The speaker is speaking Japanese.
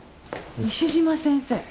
西島先生。